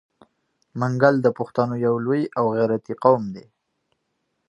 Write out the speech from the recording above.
منګل د پښتنو یو لوی او غیرتي قوم دی.